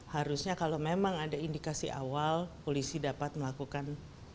harusnya kalau memang ada indikasi awal polisi dapat melakukan